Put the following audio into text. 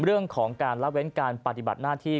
เรื่องของการละเว้นการปฏิบัติหน้าที่